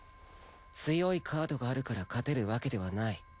強いカードがあるから勝てるわけではない。